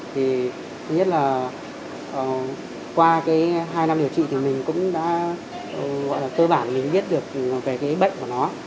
thứ nhất là qua hai năm điều trị thì mình cũng đã cơ bản biết được về bệnh của nó